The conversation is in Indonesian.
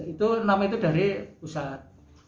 itu nama itu dari pusat